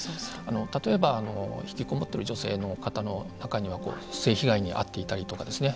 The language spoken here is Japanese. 例えばひきこもっている女性の方の中には性被害に遭っていたりとかですね